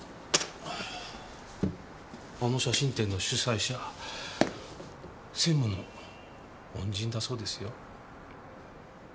あの写真展の主催者専務の恩人だそうですよ。